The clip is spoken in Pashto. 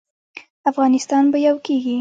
افغانستان به یو کیږي